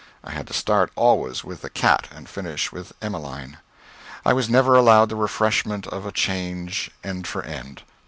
I had to start always with the cat and finish with Emmeline. I was never allowed the refreshment of a change, end for end.